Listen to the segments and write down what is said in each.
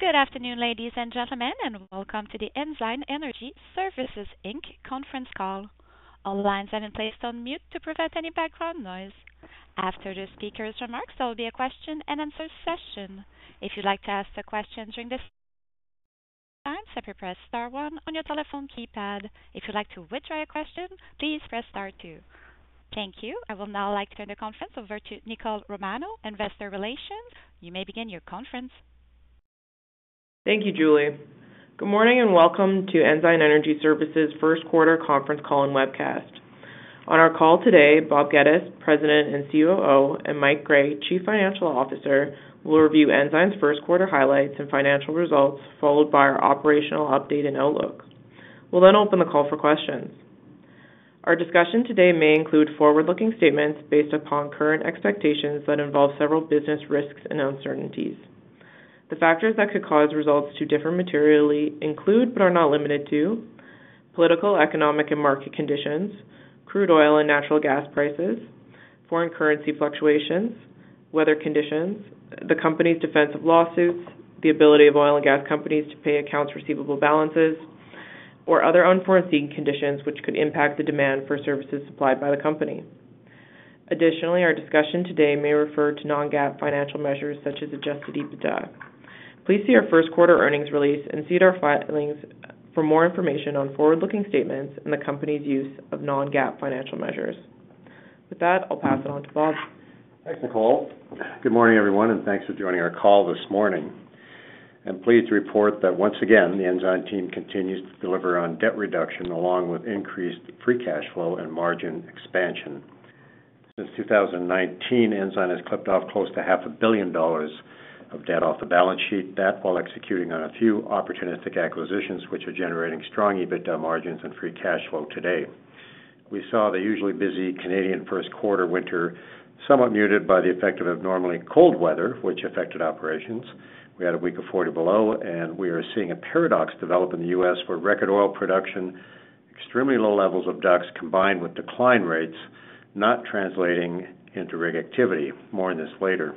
Good afternoon, ladies and gentlemen, and welcome to the Ensign Energy Services, Inc., conference call. All lines have been placed on mute to prevent any background noise. After the speaker's remarks, there will be a question-and-answer session. If you'd like to ask a question during this time, simply press star one on your telephone keypad. If you'd like to withdraw your question, please press star two. Thank you. I will now like to turn the conference over to Nicole Romanow, Investor Relations. You may begin your conference. Thank you, Julie. Good morning and welcome to Ensign Energy Services' first-quarter conference call and webcast. On our call today, Bob Geddes, President and COO, and Mike Gray, Chief Financial Officer, will review Ensign's first-quarter highlights and financial results, followed by our operational update and outlook. We'll then open the call for questions. Our discussion today may include forward-looking statements based upon current expectations that involve several business risks and uncertainties. The factors that could cause results to differ materially include, but are not limited to, political, economic, and market conditions, crude oil and natural gas prices, foreign currency fluctuations, weather conditions, the company's defense of lawsuits, the ability of oil and gas companies to pay accounts receivable balances, or other unforeseen conditions which could impact the demand for services supplied by the company. Additionally, our discussion today may refer to non-GAAP financial measures such as Adjusted EBITDA. Please see our first-quarter earnings release and see our filings for more information on forward-looking statements and the company's use of non-GAAP financial measures. With that, I'll pass it on to Bob. Thanks, Nicole. Good morning, everyone, and thanks for joining our call this morning. Pleased to report that, once again, the Ensign team continues to deliver on debt reduction along with increased free cash flow and margin expansion. Since 2019, Ensign has clipped off close to $500 million of debt off the balance sheet, while executing on a few opportunistic acquisitions which are generating strong EBITDA margins and free cash flow today. We saw the usually busy Canadian first-quarter winter somewhat muted by the effect of abnormally cold weather, which affected operations. We had a week of 40 below, and we are seeing a paradox develop in the U.S. where record oil production, extremely low levels of DUCs, combined with decline rates, not translating into rig activity. More on this later.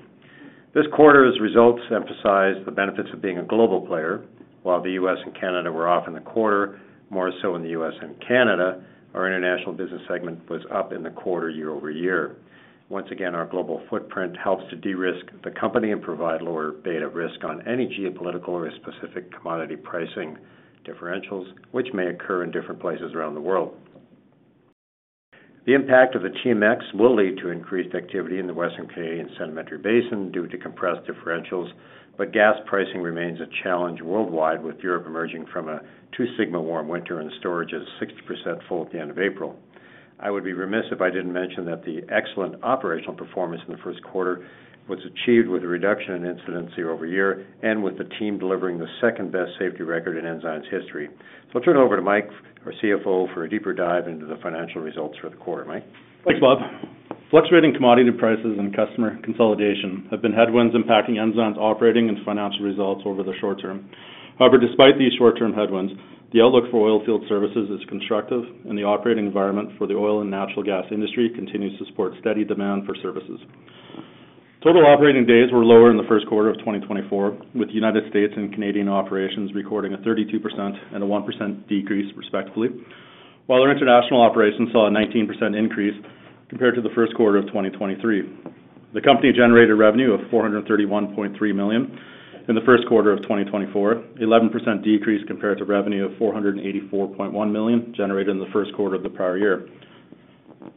This quarter's results emphasize the benefits of being a global player. While the U.S. and Canada were off in the quarter, more so in the U.S. and Canada, our international business segment was up in the quarter year-over-year. Once again, our global footprint helps to de-risk the company and provide lower beta risk on any geopolitical or specific commodity pricing differentials, which may occur in different places around the world. The impact of the TMX will lead to increased activity in the Western Canadian Sedimentary Basin due to compressed differentials, but gas pricing remains a challenge worldwide, with Europe emerging from a two-sigma warm winter and storage at 60% full at the end of April. I would be remiss if I didn't mention that the excellent operational performance in the first quarter was achieved with a reduction in incidents year-over-year and with the team delivering the second-best safety record in Ensign's history. I'll turn it over to Mike, our CFO, for a deeper dive into the financial results for the quarter. Mike? Thanks, Bob. Fluctuating commodity prices and customer consolidation have been headwinds impacting Ensign's operating and financial results over the short term. However, despite these short-term headwinds, the outlook for oilfield services is constructive, and the operating environment for the oil and natural gas industry continues to support steady demand for services. Total operating days were lower in the first quarter of 2024, with United States and Canadian operations recording a 32% and a 1% decrease, respectively, while our international operations saw a 19% increase compared to the first quarter of 2023. The company generated revenue of 431.3 million in the first quarter of 2024, an 11% decrease compared to revenue of 484.1 million generated in the first quarter of the prior year.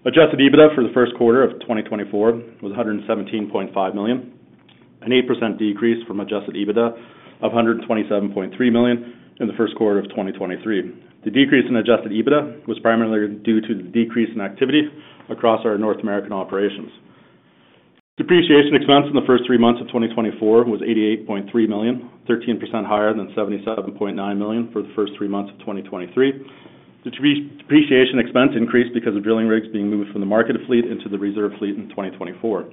Adjusted EBITDA for the first quarter of 2024 was 117.5 million, an 8% decrease from Adjusted EBITDA of 127.3 million in the first quarter of 2023. The decrease in Adjusted EBITDA was primarily due to the decrease in activity across our North American operations. Depreciation expense in the first three months of 2024 was 88.3 million, 13% higher than 77.9 million for the first three months of 2023. Depreciation expense increased because of drilling rigs being moved from the market fleet into the reserve fleet in 2024.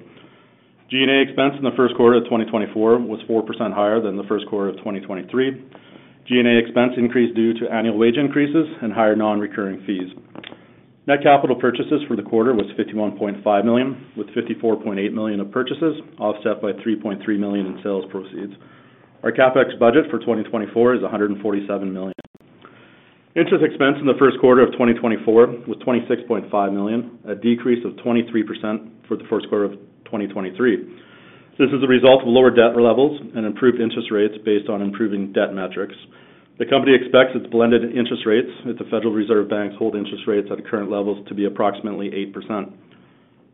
G&A expense in the first quarter of 2024 was 4% higher than the first quarter of 2023. G&A expense increased due to annual wage increases and higher non-recurring fees. Net capital purchases for the quarter was 51.5 million, with 54.8 million of purchases offset by 3.3 million in sales proceeds. Our CapEx budget for 2024 is 147 million. Interest expense in the first quarter of 2024 was 26.5 million, a decrease of 23% for the first quarter of 2023. This is a result of lower debt levels and improved interest rates based on improving debt metrics. The company expects its blended interest rates if the Federal Reserve Banks hold interest rates at current levels to be approximately 8%.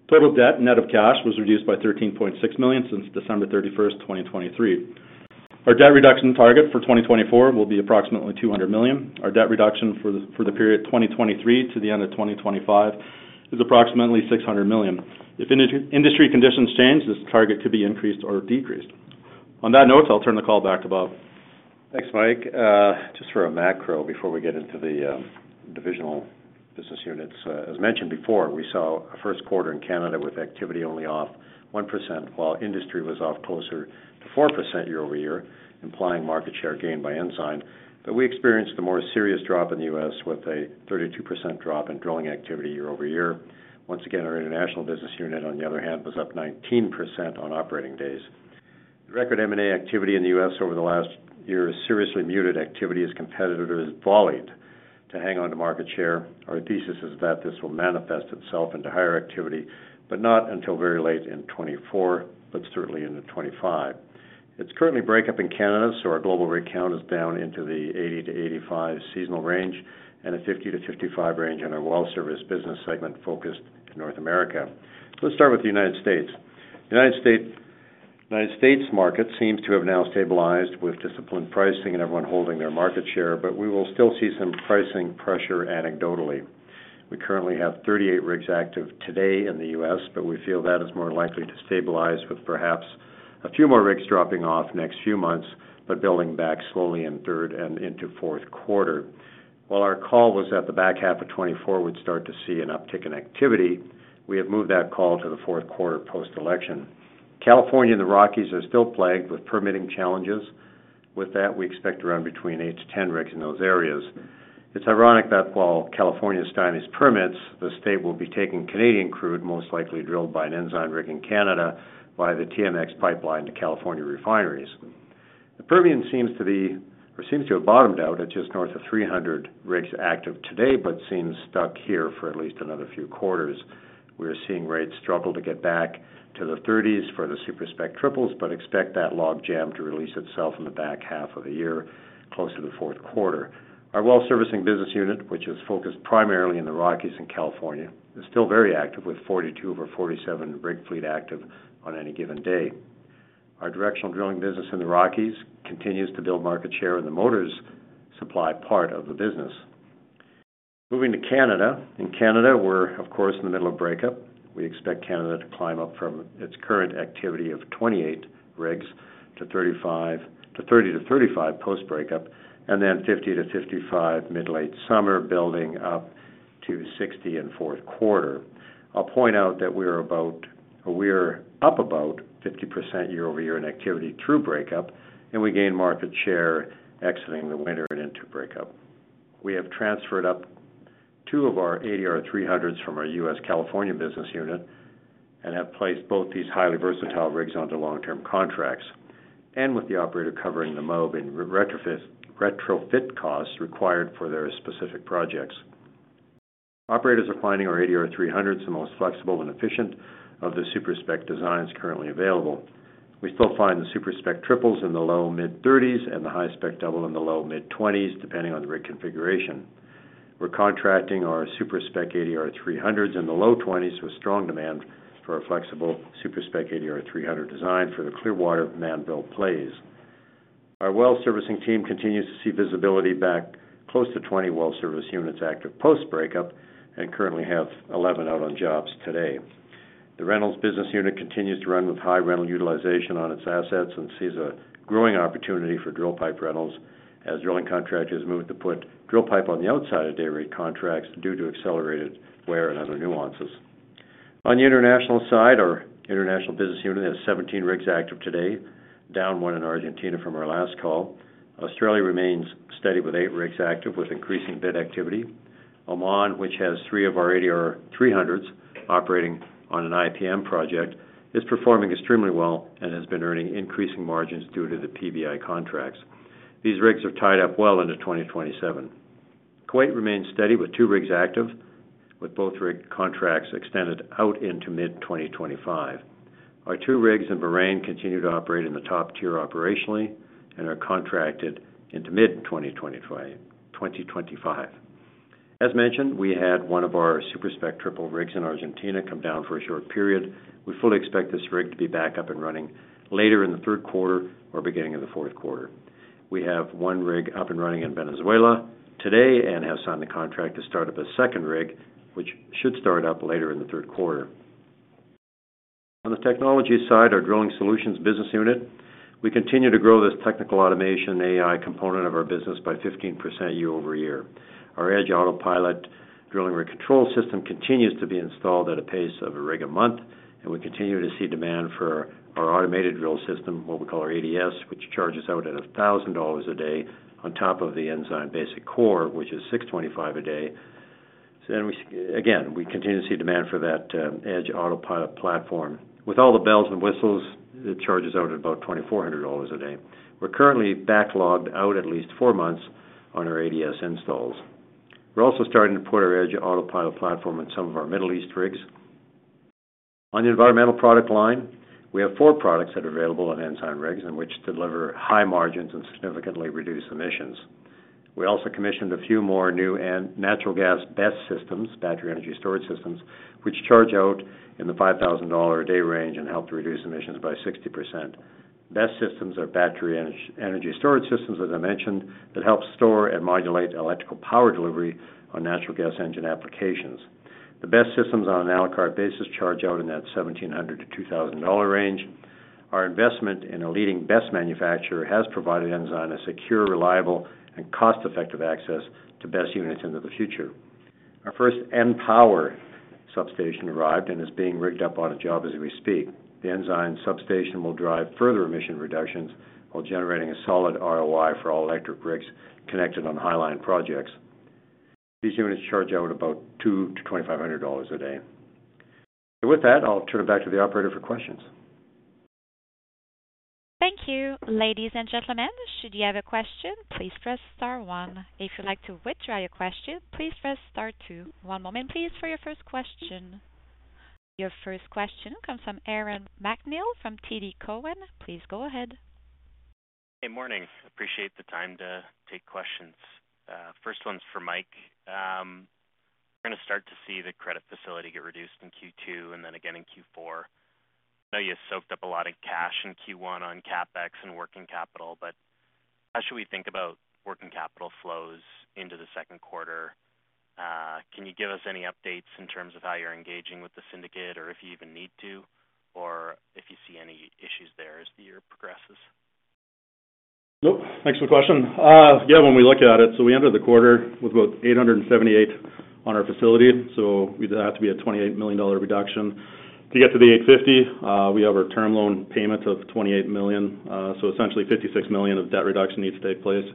Total debt net of cash was reduced by 13.6 million since December 31st, 2023. Our debt reduction target for 2024 will be approximately 200 million. Our debt reduction for the period 2023 to the end of 2025 is approximately 600 million. If industry conditions change, this target could be increased or decreased. On that note, I'll turn the call back to Bob. Thanks, Mike. Just for a macro before we get into the divisional business units. As mentioned before, we saw a first quarter in Canada with activity only off 1% while industry was off closer to 4% year-over-year, implying market share gain by Ensign. But we experienced a more serious drop in the US with a 32% drop in drilling activity year-over-year. Once again, our international business unit, on the other hand, was up 19% on operating days. Record M&A activity in the US over the last year is seriously muted. Activity as competitors volleyed to hang on to market share. Our thesis is that this will manifest itself into higher activity, but not until very late in 2024, but certainly into 2025. It's currently breakup in Canada, so our global rig count is down into the 80-85 seasonal range and a 50-55 range in our well servicing business segment focused in North America. Let's start with the United States. The United States market seems to have now stabilized with disciplined pricing and everyone holding their market share, but we will still see some pricing pressure anecdotally. We currently have 38 rigs active today in the US, but we feel that is more likely to stabilize with perhaps a few more rigs dropping off next few months but building back slowly in third and into fourth quarter. While our call was that the back half of 2024 would start to see an uptick in activity, we have moved that call to the fourth quarter post-election. California and the Rockies are still plagued with permitting challenges. With that, we expect around between 8-10 rigs in those areas. It's ironic that while California's timelines for permits, the state will be taking Canadian crude, most likely drilled by an Ensign rig in Canada, via the TMX pipeline to California refineries. The Permian seems to have bottomed out at just north of 300 rigs active today but seems stuck here for at least another few quarters. We are seeing rates struggle to get back to the 30s for the SuperSpec triples, but expect that log jam to release itself in the back half of the year, closer to the fourth quarter. Our well-servicing business unit, which is focused primarily in the Rockies and California, is still very active with 42 of our 47-rig fleet active on any given day. Our directional drilling business in the Rockies continues to build market share in the motors supply part of the business. Moving to Canada. In Canada, we're, of course, in the middle of breakup. We expect Canada to climb up from its current activity of 28 rigs to 35 to 30 to 35 post-breakup, and then 50-55 mid-late summer, building up to 60 in fourth quarter. I'll point out that we are about or we are up about 50% year-over-year in activity through breakup, and we gained market share exiting the winter and into breakup. We have transferred up two of our ADR 300s from our U.S./California business unit and have placed both these highly versatile rigs onto long-term contracts, and with the operator covering the MOB and retrofit costs required for their specific projects. Operators are finding our ADR® 300s the most flexible and efficient of the SuperSpec designs currently available. We still find the SuperSpec triples in the low-mid 30s and the high-spec double in the low-mid 20s, depending on the rig configuration. We're contracting our SuperSpec ADR® 300s in the low 20s with strong demand for a flexible SuperSpec ADR® 300 design for the Clearwater and Mannville plays. Our well-servicing team continues to see visibility back close to 20 well-servicing units active post-breakup and currently have 11 out on jobs today. The rentals business unit continues to run with high rental utilization on its assets and sees a growing opportunity for drill pipe rentals, as drilling contractors move to put drill pipe on the outside of day rig contracts due to accelerated wear and other nuances. On the international side, our international business unit has 17 rigs active today, down one in Argentina from our last call. Australia remains steady with eight rigs active with increasing bid activity. Oman, which has three of our ADR 300s operating on an IPM project, is performing extremely well and has been earning increasing margins due to the PBI contracts. These rigs are tied up well into 2027. Kuwait remains steady with two rigs active, with both rig contracts extended out into mid-2025. Our two rigs in Bahrain continue to operate in the top tier operationally and are contracted into mid-2025. As mentioned, we had one of our SuperSpec triple rigs in Argentina come down for a short period. We fully expect this rig to be back up and running later in the third quarter or beginning of the fourth quarter. We have one rig up and running in Venezuela today and have signed a contract to start up a second rig, which should start up later in the third quarter. On the technology side, our drilling solutions business unit, we continue to grow this technical automation and AI component of our business by 15% year-over-year. Our EDGE Autopilot drilling rig control system continues to be installed at a pace of a rig a month, and we continue to see demand for our automated drill system, what we call our ADS, which charges out at $1,000 a day on top of the Ensign Basic Core, which is $625 a day. So then we again, we continue to see demand for that EDGE Autopilot platform. With all the bells and whistles, it charges out at about $2,400 a day. We're currently backlogged out at least four months on our ADS installs. We're also starting to put our EDGE Autopilot platform in some of our Middle East rigs. On the environmental product line, we have four products that are available on Ensign rigs and which deliver high margins and significantly reduce emissions. We also commissioned a few more new natural gas BESS systems, battery energy storage systems, which charge out in the $5,000 a day range and help to reduce emissions by 60%. BESS systems are battery energy storage systems, as I mentioned, that help store and modulate electrical power delivery on natural gas engine applications. The BESS systems on an à la carte basis charge out in that $1,700-$2,000 range. Our investment in a leading BESS manufacturer has provided Ensign a secure, reliable, and cost-effective access to BESS units into the future. Our first EnPower substation arrived and is being rigged up on a job as we speak. The Ensign substation will drive further emission reductions while generating a solid ROI for all electric rigs connected on high-line projects. These units charge out at about $200-$2,500 a day. So with that, I'll turn it back to the operator for questions. Thank you, ladies and gentlemen. Should you have a question, please press star one. If you'd like to withdraw your question, please press star two. One moment, please, for your first question. Your first question comes from Aaron MacNeil from TD Cowen. Please go ahead. Hey, morning. Appreciate the time to take questions. First one's for Mike. We're going to start to see the credit facility get reduced in Q2 and then again in Q4. I know you soaked up a lot of cash in Q1 on CapEx and working capital, but how should we think about working capital flows into the second quarter? Can you give us any updates in terms of how you're engaging with the syndicate or if you even need to, or if you see any issues there as the year progresses? Nope. Thanks for the question. Yeah, when we look at it, so we entered the quarter with about 878 on our facility, so we'd have to be at 28 million dollar reduction to get to the 850. We have our term loan payment of 28 million, so essentially 56 million of debt reduction needs to take place.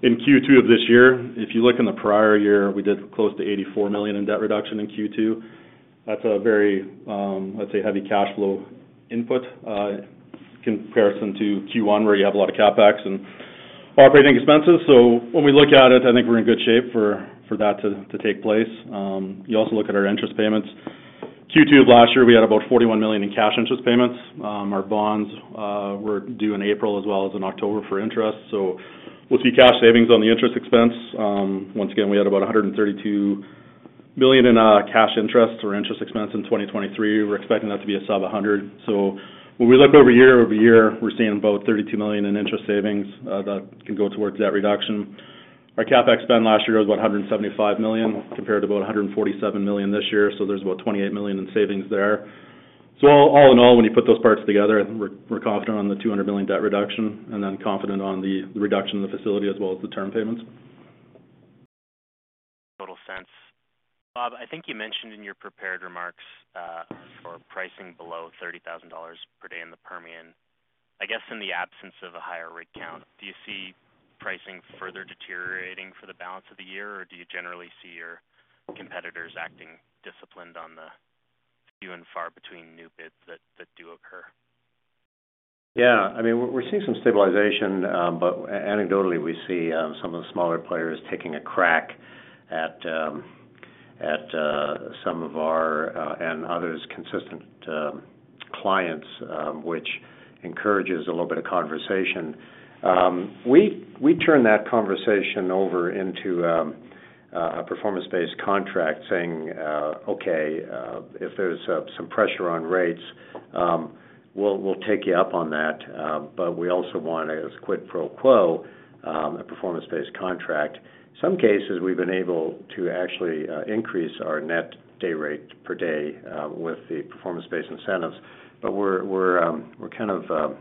In Q2 of this year, if you look in the prior year, we did close to 84 million in debt reduction in Q2. That's a very, let's say, heavy cash flow input in comparison to Q1 where you have a lot of CapEx and operating expenses. So when we look at it, I think we're in good shape for that to take place. You also look at our interest payments. Q2 of last year, we had about 41 million in cash interest payments. Our bonds were due in April as well as in October for interest, so we'll see cash savings on the interest expense. Once again, we had about 132 million in cash interest or interest expense in 2023. We're expecting that to be a sub-100. So when we look year-over-year, we're seeing about 32 million in interest savings that can go towards debt reduction. Our CapEx spend last year was about 175 million compared to about 147 million this year, so there's about 28 million in savings there. So all in all, when you put those parts together, we're confident on the 200 million debt reduction and then confident on the reduction in the facility as well as the term payments. Total sense. Bob, I think you mentioned in your prepared remarks for pricing below $30,000 per day in the Permian. I guess in the absence of a higher rig count, do you see pricing further deteriorating for the balance of the year, or do you generally see your competitors acting disciplined on the few and far between new bids that do occur? Yeah. I mean, we're seeing some stabilization, but anecdotally, we see some of the smaller players taking a crack at some of our and others' consistent clients, which encourages a little bit of conversation. We turn that conversation over into a performance-based contract saying, "Okay, if there's some pressure on rates, we'll take you up on that, but we also want a quid pro quo, a performance-based contract." In some cases, we've been able to actually increase our net day rate per day with the performance-based incentives, but we're kind of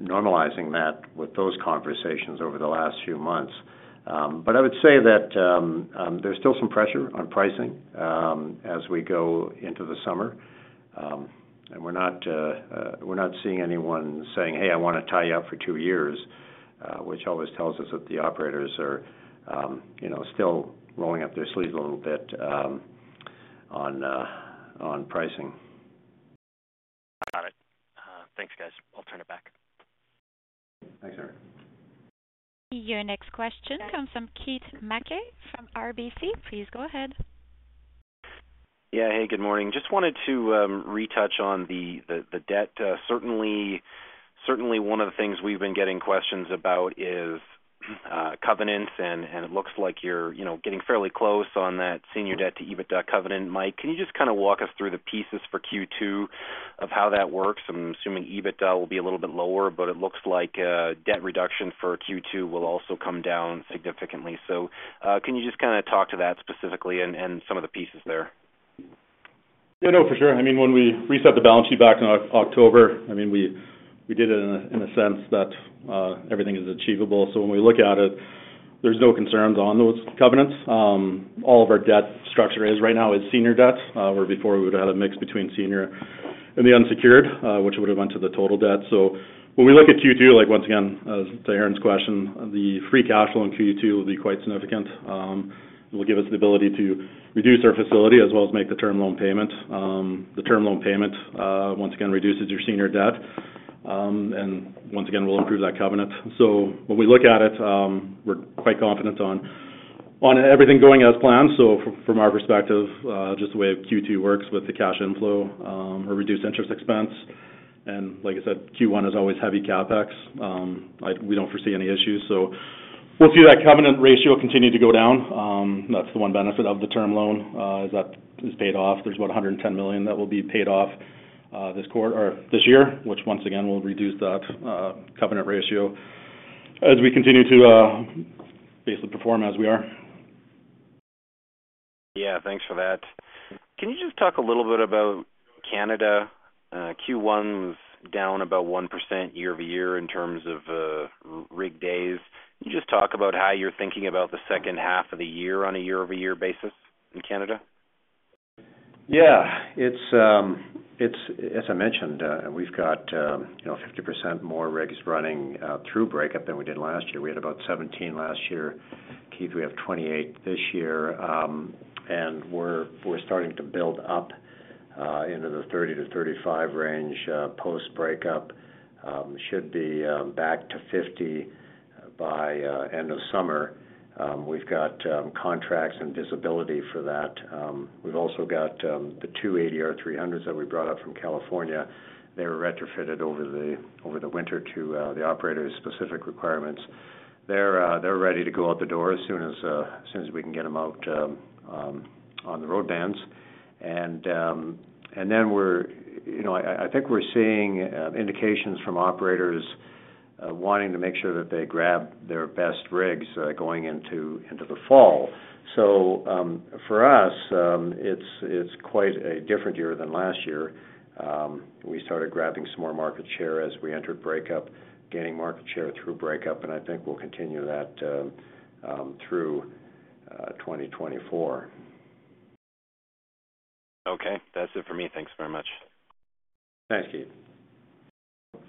normalizing that with those conversations over the last few months. But I would say that there's still some pressure on pricing as we go into the summer, and we're not seeing anyone saying, "Hey, I want to tie you up for two years," which always tells us that the operators are still rolling up their sleeves a little bit on pricing. Got it. Thanks, guys. I'll turn it back. Thanks, Aaron. Your next question comes from Keith Mackey from RBC. Please go ahead. Yeah. Hey, good morning. Just wanted to retouch on the debt. Certainly, one of the things we've been getting questions about is covenants, and it looks like you're getting fairly close on that senior debt to EBITDA covenant. Mike, can you just kind of walk us through the pieces for Q2 of how that works? I'm assuming EBITDA will be a little bit lower, but it looks like debt reduction for Q2 will also come down significantly. So can you just kind of talk to that specifically and some of the pieces there? Yeah, no, for sure. I mean, when we reset the balance sheet back in October, I mean, we did it in a sense that everything is achievable. So when we look at it, there's no concerns on those covenants. All of our debt structure right now is senior debt, where before we would have had a mix between senior and the unsecured, which would have went to the total debt. So when we look at Q2, once again, to Aaron's question, the free cash flow in Q2 will be quite significant. It will give us the ability to reduce our facility as well as make the term loan payment. The term loan payment, once again, reduces your senior debt, and once again, will improve that covenant. So when we look at it, we're quite confident on everything going as planned. So from our perspective, just the way Q2 works with the cash inflow or reduced interest expense, and like I said, Q1 is always heavy CapEx. We don't foresee any issues. So we'll see that covenant ratio continue to go down. That's the one benefit of the term loan, is that is paid off. There's about $110 million that will be paid off this year which, once again, will reduce that covenant ratio as we continue to basically perform as we are. Yeah. Thanks for that. Can you just talk a little bit about Canada? Q1 was down about 1% year-over-year in terms of rig days. Can you just talk about how you're thinking about the second half of the year on a year-over-year basis in Canada? Yeah. As I mentioned, we've got 50% more rigs running through breakup than we did last year. We had about 17 last year. Keith, we have 28 this year, and we're starting to build up into the 30-35 range post-breakup. Should be back to 50 by end of summer. We've got contracts and visibility for that. We've also got the two ADR® 300s that we brought up from California. They were retrofitted over the winter to the operator's specific requirements. They're ready to go out the door as soon as we can get them out on the road bans. And then, I think, we're seeing indications from operators wanting to make sure that they grab their best rigs going into the fall. So for us, it's quite a different year than last year. We started grabbing some more market share as we entered breakup, gaining market share through breakup, and I think we'll continue that through 2024. Okay. That's it for me. Thanks very much. Thanks, Keith.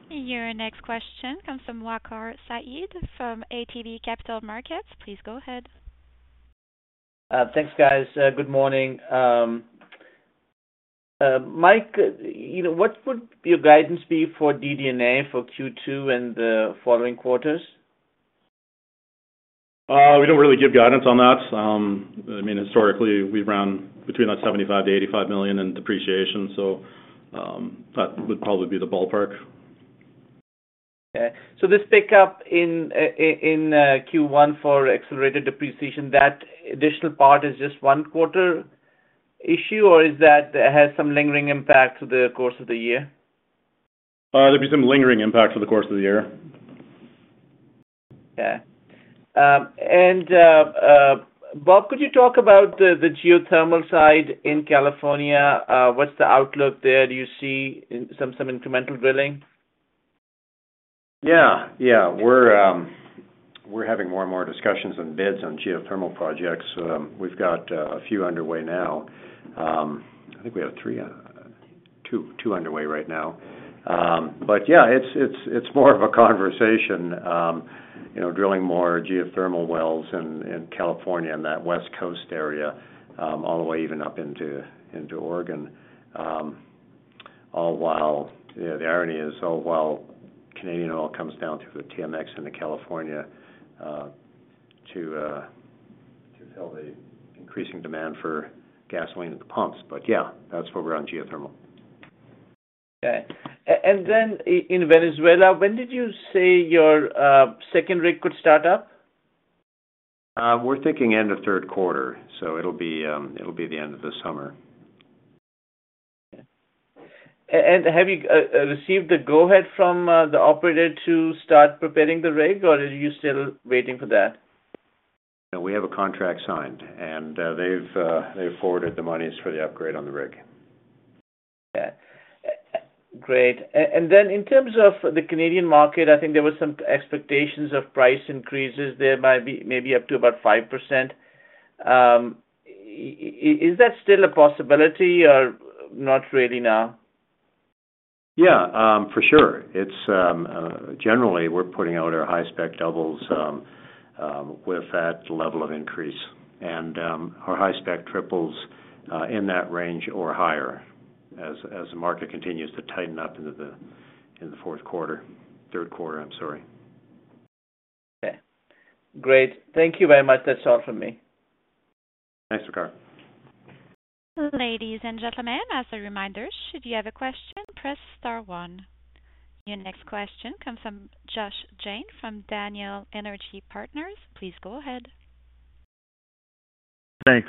Your next question comes from Waqar Syed from ATB Capital Markets. Please go ahead. Thanks, guys. Good morning. Mike, what would your guidance be for DD&A for Q2 and the following quarters? We don't really give guidance on that. I mean, historically, we've run between about 75 million-CAD85 million in depreciation, so that would probably be the ballpark. Okay. So this pickup in Q1 for accelerated depreciation, that additional part is just one-quarter issue, or has some lingering impact through the course of the year? There'll be some lingering impact through the course of the year. Okay. And Bob, could you talk about the geothermal side in California? What's the outlook there? Do you see some incremental drilling? Yeah. Yeah. We're having more and more discussions and bids on geothermal projects. We've got a few underway now. I think we have two underway right now. But yeah, it's more of a conversation, drilling more geothermal wells in California in that West Coast area all the way even up into Oregon. The irony is, all the while Canadian oil comes down through the TMX into California to fill the increasing demand for gasoline at the pumps. But yeah, that's where we're on geothermal. Okay. And then in Venezuela, when did you say your second rig could start up? We're thinking end of third quarter, so it'll be the end of the summer. Okay. And have you received the go-ahead from the operator to start preparing the rig, or are you still waiting for that? We have a contract signed, and they've forwarded the monies for the upgrade on the rig. Okay. Great. And then in terms of the Canadian market, I think there were some expectations of price increases there maybe up to about 5%. Is that still a possibility or not really now? Yeah, for sure. Generally, we're putting out our high-spec doubles with that level of increase, and our high-spec triples in that range or higher as the market continues to tighten up into the fourth quarter third quarter, I'm sorry. Okay. Great. Thank you very much. That's all from me. Thanks, Waqar. Ladies and gentlemen, as a reminder, should you have a question, press star one. Your next question comes from Josh Jayne from Daniel Energy Partners. Please go ahead. Thanks.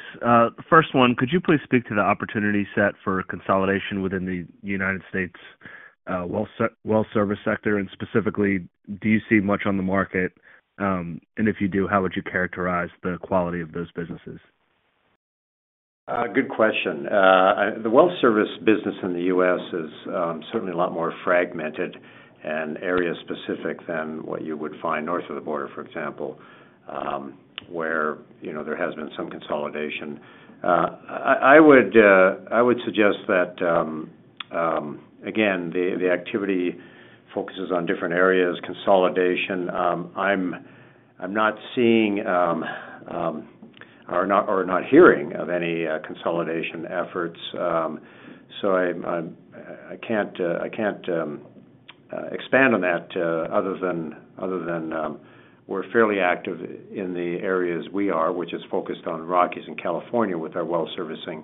First one, could you please speak to the opportunity set for consolidation within the United States well service sector? And specifically, do you see much on the market? And if you do, how would you characterize the quality of those businesses? Good question. The well servicing business in the U.S. is certainly a lot more fragmented and area-specific than what you would find north of the border, for example, where there has been some consolidation. I would suggest that, again, the activity focuses on different areas, consolidation. I'm not seeing or not hearing of any consolidation efforts, so I can't expand on that other than we're fairly active in the areas we are, which is focused on Rockies in California with our well servicing.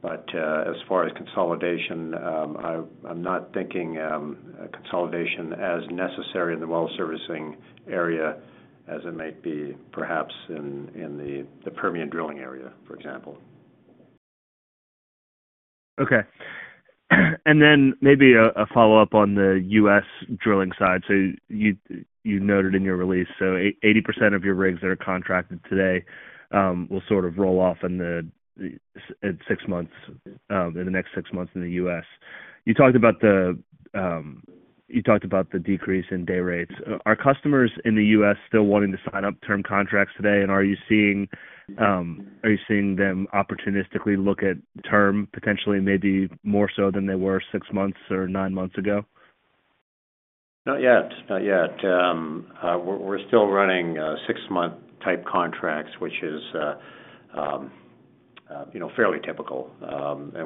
But as far as consolidation, I'm not thinking consolidation as necessary in the well servicing area as it might be perhaps in the Permian drilling area, for example. Okay. And then maybe a follow-up on the U.S. drilling side. So you noted in your release, so 80% of your rigs that are contracted today will sort of roll off in the next six months in the U.S. You talked about the decrease in day rates. Are customers in the U.S. still wanting to sign up term contracts today, and are you seeing them opportunistically look at term potentially, maybe more so than they were six months or nine months ago? Not yet. Not yet. We're still running six-month-type contracts, which is fairly typical.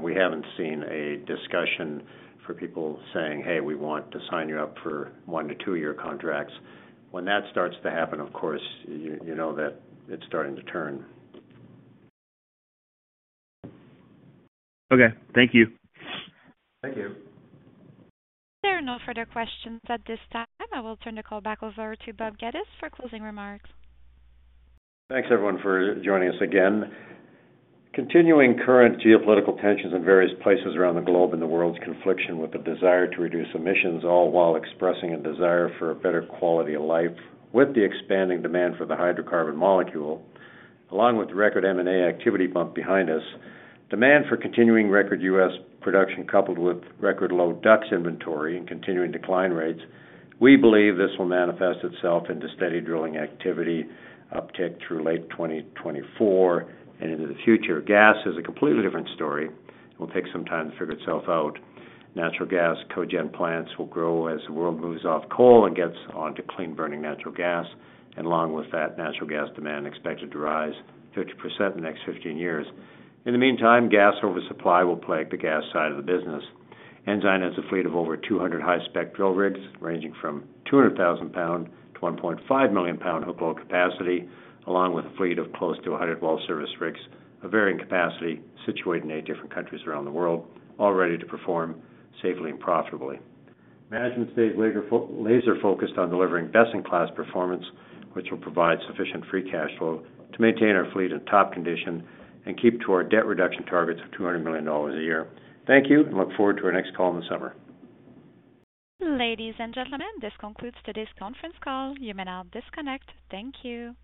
We haven't seen a discussion for people saying, "Hey, we want to sign you up for one- to two-year contracts." When that starts to happen, of course, you know that it's starting to turn. Okay. Thank you. Thank you. There are no further questions at this time. I will turn the call back over to Bob Geddes for closing remarks. Thanks, everyone, for joining us again. Continuing current geopolitical tensions in various places around the globe and the world's confliction with the desire to reduce emissions, all while expressing a desire for a better quality of life with the expanding demand for the hydrocarbon molecule, along with record M&A activity bump behind us, demand for continuing record U.S. production coupled with record low DUCs inventory and continuing decline rates, we believe this will manifest itself into steady drilling activity uptick through late 2024 and into the future. Gas is a completely different story. It will take some time to figure itself out. Natural gas cogen plants will grow as the world moves off coal and gets onto clean-burning natural gas, and along with that, natural gas demand expected to rise 50% in the next 15 years. In the meantime, gas oversupply will plague the gas side of the business. Ensign has a fleet of over 200 high-spec drill rigs ranging from 200,000-lb to 1.5 million-lb hookload capacity, along with a fleet of close to 100 well service rigs of varying capacity situated in eight different countries around the world, all ready to perform safely and profitably. Management stays laser-focused on delivering best-in-class performance, which will provide sufficient free cash flow to maintain our fleet in top condition and keep to our debt reduction targets of 200 million dollars a year. Thank you, and look forward to our next call in the summer. Ladies and gentlemen, this concludes today's conference call. You may now disconnect. Thank you.